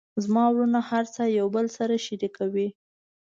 زما وروڼه هر څه یو بل سره شریکوي